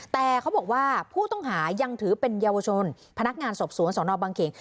แต่เขาบอกว่าผู้ต้องหายังถือเป็นเยาวชนพนักงานสอบสวนสนบังเขน